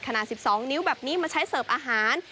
ขนาด๑๒นิ้วแบบนี้มาใช้เสิร์ฟอาหาร